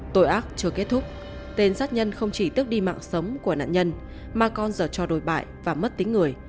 tội ác chưa kết thúc tên sát nhân không chỉ tức đi mạng sống của nạn nhân mà còn giờ cho đồi bại và mất tính người